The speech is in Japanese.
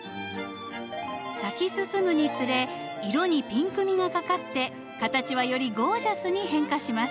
咲き進むにつれ色にピンクみがかかって形はよりゴージャスに変化します。